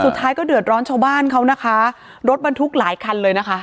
สุดท้ายก็เดือดร้อนชาวบ้านเขานะคะรถบรรทุกหลายคันเลยนะคะ